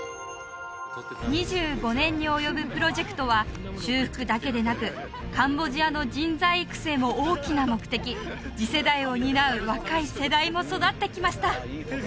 ２５年に及ぶプロジェクトは修復だけでなくカンボジアの人材育成も大きな目的次世代を担う若い世代も育ってきました